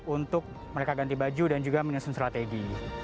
untuk mereka ganti baju dan juga menyusun strategi